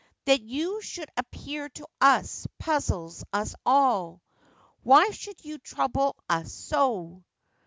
That you should appear to us puzzles us all. Why should you trouble us so